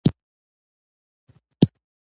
چوکۍ د تلویزیون مخې ته ایښودل کېږي.